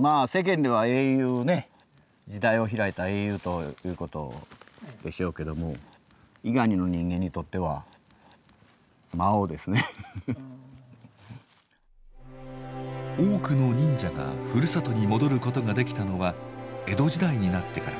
まあ世間では英雄ね時代を開いた英雄ということでしょうけども多くの忍者がふるさとに戻ることができたのは江戸時代になってから。